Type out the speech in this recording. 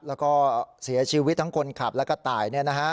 แล้วก็เสียชีวิตทั้งคนขับแล้วก็ตาย